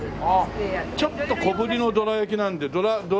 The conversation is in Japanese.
ちょっと小ぶりのどら焼きなんでどら